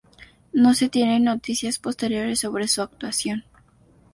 No se tienen noticias posteriores sobre su actuación.